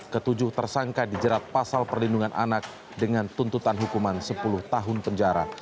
ketujuh tersangka dijerat pasal perlindungan anak dengan tuntutan hukuman sepuluh tahun penjara